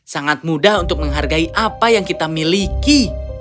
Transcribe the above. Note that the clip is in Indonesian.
sangat mudah untuk menghargai apa yang kita miliki